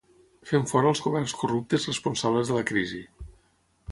Fem fora els governs corruptes responsables de la crisi.